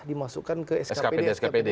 dimasukkan ke skpd